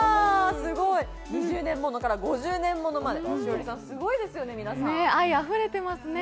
すごい。２０年ものから５０年ものまで、栞里さん、すごいですよね、愛あふれてますね。